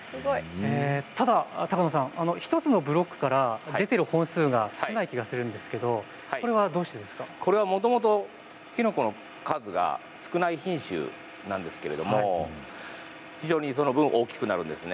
ただ高野さん１つのブロックから出ている本数が少ない気がするんですけれどどうしてですかこれはもともときのこの数が少ない品種なんですけれども非常にその分大きくなるんですね。